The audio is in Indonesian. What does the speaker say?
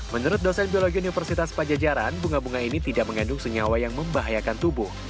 menurut dosen biologi universitas pajajaran bunga bunga ini tidak mengandung senyawa yang membahayakan tubuh